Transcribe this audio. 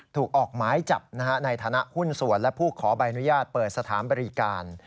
ถูกออกหมายจับในฐานะหุ้นส่วนและผู้ขอใบอนุญาตเปิดสถานบริการ